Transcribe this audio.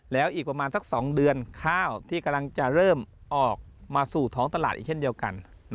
แล้วอีกประมาณสัก๒เดือนข้าวที่กำลังจะเริ่มออกมาสู่ท้องตลาดอีกเช่นเดียวกัน